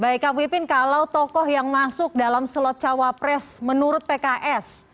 baik kang pipin kalau tokoh yang masuk dalam slot cawapres menurut pks